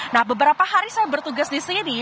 nah beberapa hari saya bertugas di sini